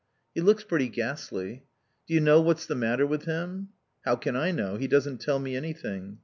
"He looks pretty ghastly." "Do you know what's the matter with him?" "How can I know? He doesn't tell me anything."